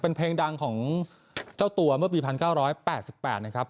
เป็นเพลงดังของเจ้าตัวเมื่อปี๑๙๘๘นะครับ